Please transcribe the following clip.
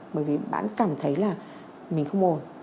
bởi vì bạn ấy cảm thấy là mình không ổn